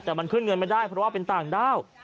แต่มันขึ้นเงินไม่ได้เพราะว่าเป็นต่างด้าว